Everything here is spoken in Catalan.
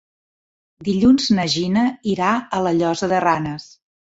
Dilluns na Gina irà a la Llosa de Ranes.